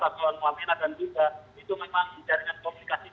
bisa menyatakan kondisi mereka saat ini